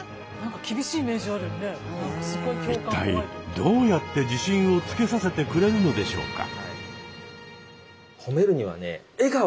一体どうやって自信をつけさせてくれるのでしょうか？